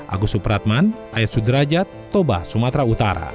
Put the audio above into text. agus supratman ayat sudrajat toba sumatera utara